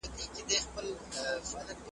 دلته مه راځۍ ښکاري تړلی لام دی .